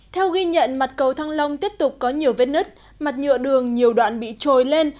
theo ghi nhận mặt cầu thăng long tiếp tục có nhiều vết nứt mặt nhựa đường nhiều đoạn bị trồi lên